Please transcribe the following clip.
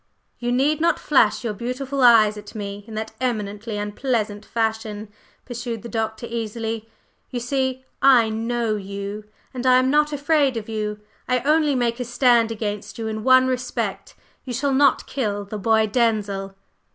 "You need not flash your beautiful eyes at me in that eminently unpleasant fashion," pursued the Doctor, easily. "You see I know you, and I am not afraid of you. I only make a stand against you in one respect: you shall not kill the boy Denzil."